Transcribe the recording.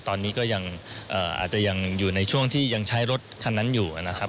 ตอนนี้ก็ยังอาจจะยังอยู่ในช่วงที่ยังใช้รถคันนั้นอยู่นะครับ